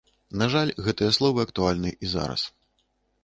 На жаль, гэтыя словы актуальны і зараз.